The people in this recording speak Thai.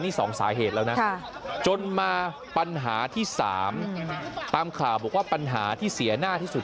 นี่๒สาเหตุแล้วนะจนมาปัญหาที่๓ตามข่าวบอกว่าปัญหาที่เสียหน้าที่สุด